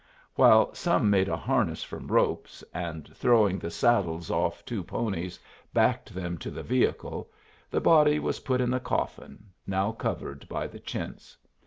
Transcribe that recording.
While some made a harness from ropes, and throwing the saddles off two ponies backed them to the vehicle, the body was put in the coffin, now covered by the chintz.